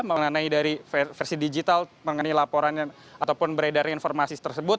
mengenai dari versi digital mengenai laporan ataupun beredar informasi tersebut